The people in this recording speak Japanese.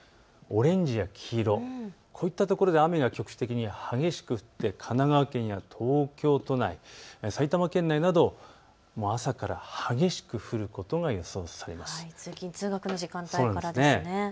オレンジや黄色、こういった所で雨が局地的に激しく降って神奈川県や東京都内、埼玉県内など朝から激しく降ることが予想されます。